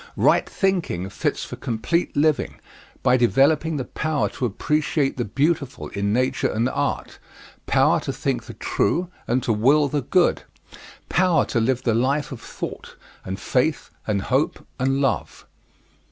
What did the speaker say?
Right thinking fits for complete living by developing the power to appreciate the beautiful in nature and art, power to think the true and to will the good, power to live the life of thought, and faith, and hope, and love.